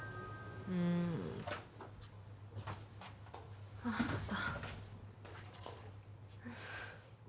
うーん。あった。